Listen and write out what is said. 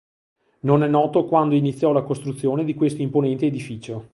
Non è noto quando iniziò la costruzione di questo imponente edificio.